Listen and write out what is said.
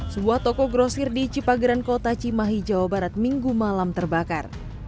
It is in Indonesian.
sebuah toko grosir di cipageran kota cimahi jawa barat minggu malam terbakar